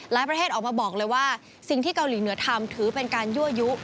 ประเทศออกมาบอกเลยว่าสิ่งที่เกาหลีเหนือทำถือเป็นการยั่วยุ